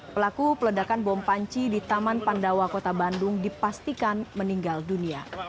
pelaku peledakan bom panci di taman pandawa kota bandung dipastikan meninggal dunia